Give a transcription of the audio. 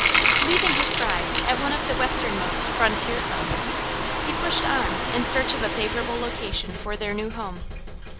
Leaving his bride at one of the westernmost frontier settlements, he pushed on in search of a favorable location for their new home.